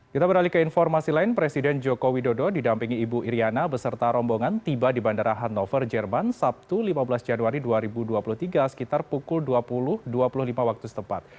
kita beralih ke informasi lain presiden joko widodo didampingi ibu iryana beserta rombongan tiba di bandara hannover jerman sabtu lima belas januari dua ribu dua puluh tiga sekitar pukul dua puluh dua puluh lima waktu setempat